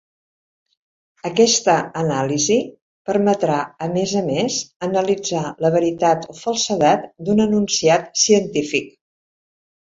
Aquesta anàlisi permetrà, a més a més, analitzar la veritat o falsedat d'un enunciat científic.